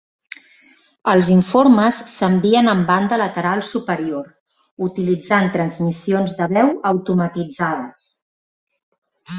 Els informes s'envien amb banda lateral superior, utilitzant transmissions de veu automatitzades.